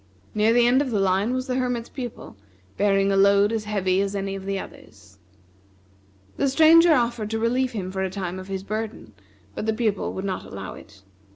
Near the end of the line was the Hermit's Pupil, bearing a load as heavy as any of the others. The Stranger offered to relieve him for a time of his burden, but the Pupil would not allow it.